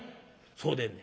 「そうでんねん。